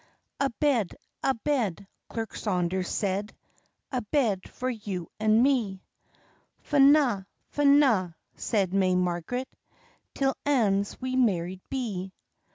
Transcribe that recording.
"A bed, a bed," Clerk Saunders said, "A bed for you and me!" "Fye na, fye na," said may Margaret, "'Till anes we married be.